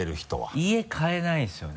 家買えないんですよね。